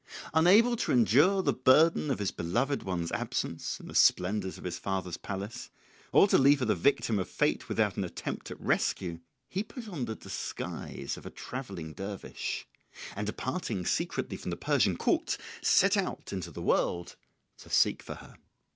Unable to endure the burden of his beloved one's absence in the splendours of his father's palace, or to leave her the victim of fate without an attempt at rescue, he put on the disguise of a travelling dervish, and departing secretly from the Persian court set out into the world to seek for her.